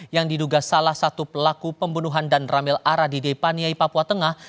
yang diduga salah satu pelaku pembunuhan dan ramel ara di depaniai papua tengah